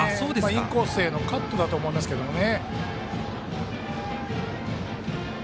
インコースへのカットだと思いますけどね。